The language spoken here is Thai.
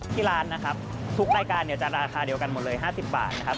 ที่ร้านนะครับทุกรายการเนี่ยจะราคาเดียวกันหมดเลย๕๐บาทนะครับ